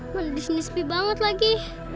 mendisnis pih banget lagi